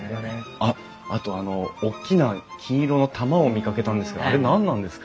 あっあとあのおっきな金色の玉を見かけたんですがあれ何なんですか？